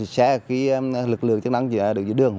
các xe các lực lượng chức năng dưới đường